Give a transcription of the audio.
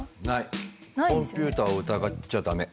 コンピュータを疑っちゃ駄目。